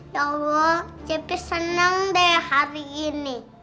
ya allah cepi senang deh hari ini